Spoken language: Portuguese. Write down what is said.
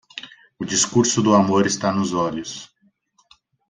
O discurso do amor está nos olhos.